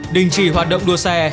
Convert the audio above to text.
đình chỉ hoạt động đua xe